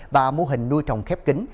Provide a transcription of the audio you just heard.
và mô hình nuôi trồng khép kính